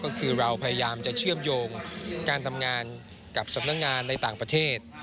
ก็คือเราพยายามจะเชื่อมโยงการทำงานกับสำนักงานในต่างประเทศ